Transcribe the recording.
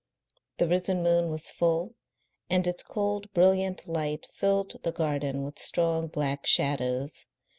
The risen moon was full, and its cold, brilliant light filled the garden with strong black shadows.